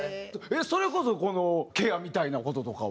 それこそこのケアみたいな事とかは？